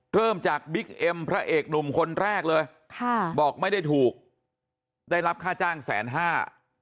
เริ่มจากบิ๊กเอ็มพระเอกหนุ่มคนแรกเลยค่ะบอกไม่ได้ถูกได้รับค่าจ้างแสนห้า